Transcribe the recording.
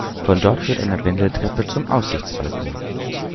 Von dort führt eine Wendeltreppe zum Aussichtsbalkon.